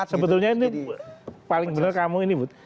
nah sebetulnya ini paling benar kamu ini bud